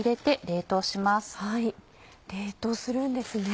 冷凍するんですね。